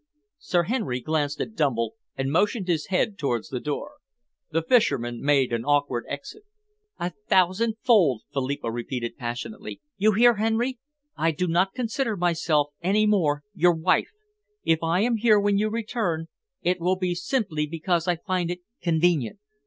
Sir Henry glanced at Dumble and motioned his head towards the door. The fisherman made an awkward exit. "A thousandfold," Philippa repeated passionately. "You hear, Henry? I do not consider myself any more your wife. If I am here when you return, it will be simply because I find it convenient.